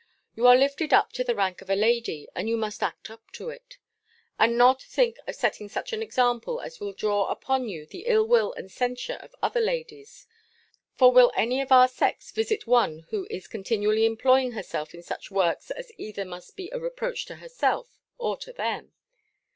You are lifted up to the rank of a lady, and you must act up to it, and not think of setting such an example, as will draw upon you the ill will and censure of other ladies. For will any of our sex visit one who is continually employing herself in such works as either must be a reproach to herself, or to them?